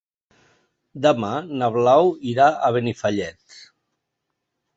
Demà na Blau irà a Benifallet.